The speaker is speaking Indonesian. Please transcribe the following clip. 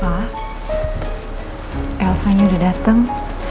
papa elsanya sudah datang